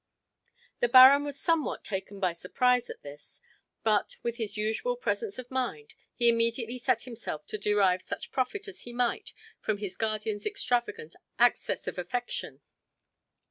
The baron was somewhat taken by surprise at this, but, with his usual presence of mind, he immediately set himself to derive such profit as he might from his guardian's extravagant access of affection.